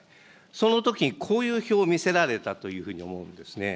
そのとき、こういう表を見せられたというふうに思うんですね。